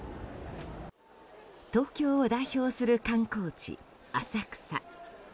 東京を代表する観光地浅草。